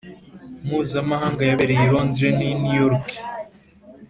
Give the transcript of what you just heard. mpuzamahanga yabereye i Londres n i New York